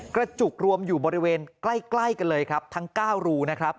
กระจุกรวมอยู่บริเวณใกล้กันเลยครับทั้ง๙รูนะครับ